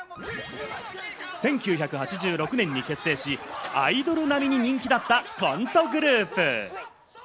１９８６年に結成し、アイドル並みに人気だったコントグループ。